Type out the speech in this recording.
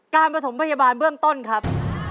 ประถมพยาบาลเบื้องต้นครับ